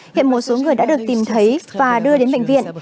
hiện một số người đã được tìm thấy và đưa đến bệnh viện